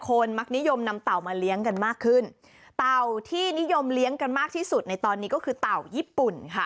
มักนิยมนำเต่ามาเลี้ยงกันมากขึ้นเต่าที่นิยมเลี้ยงกันมากที่สุดในตอนนี้ก็คือเต่าญี่ปุ่นค่ะ